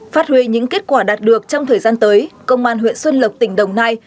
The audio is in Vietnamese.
phát huy những kết quả đạt được trong thời gian tới công an huyện xuân lộc tỉnh đồng nai